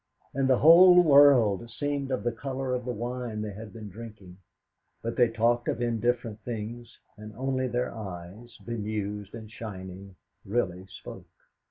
And the whole world seemed of the colour of the wine they had been drinking; but they talked of indifferent things, and only their eyes, bemused and shining, really spoke.